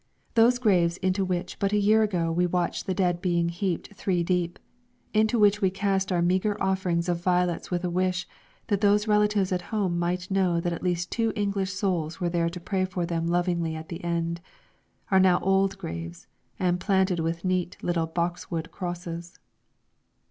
Those graves into which but a year ago we watched the dead being heaped three deep, into which we cast our meagre offering of violets with a wish that those relatives at home might know that at least two English souls were there to pray for them lovingly at the end, are now old graves and planted with neat little boxwood crosses.